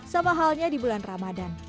sama halnya di bulan ramadan